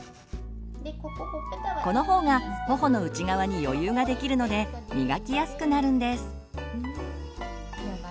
このほうがほほの内側に余裕ができるのでみがきやすくなるんです。